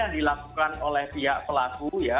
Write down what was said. yang dilakukan oleh pihak pelaku ya